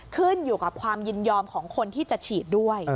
ขึ้นอยู่กับความยินยอมของคนที่จะฉีดด้วย